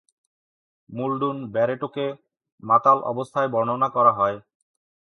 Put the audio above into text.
মুলডুন ব্যারেটোকে মাতাল অবস্থায় বর্ণনা করা হয়।